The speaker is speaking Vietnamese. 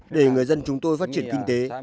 để người dân chúng tôi phát triển kinh tế